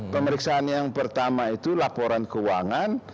pemeriksaan yang pertama itu laporan keuangan